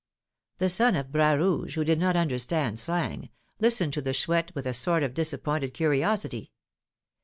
The son of Bras Rouge, who did not understand slang, listened to the Chouette with a sort of disappointed curiosity.